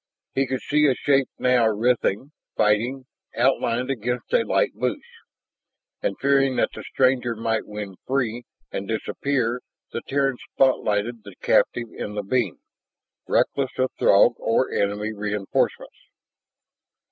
He could see a shape now writhing, fighting, outlined against a light bush. And, fearing that the stranger might win free and disappear, the Terran spotlighted the captive in the beam, reckless of Throg or enemy reinforcements.